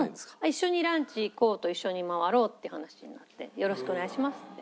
「一緒にランチ行こう」と「一緒に回ろう」って話になって「よろしくお願いします」って。